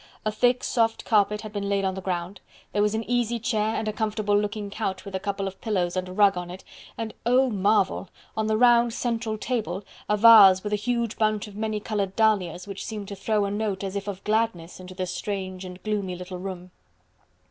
A thick, soft carpet had been laid on the ground; there was an easy chair and a comfortable looking couch with a couple of pillows and a rug upon it, and oh, marvel! on the round central table, a vase with a huge bunch of many coloured dahlias which seemed to throw a note as if of gladness into this strange and gloomy little room.